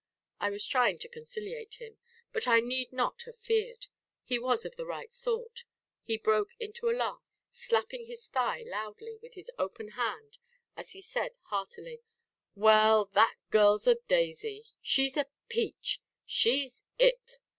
I was trying to conciliate him; but I need not have feared. He was of the right sort. He broke into a laugh, slapping his thigh loudly with his open hand as he said heartily: "Well, that girl's a daisy! she's a peach; she's "It"!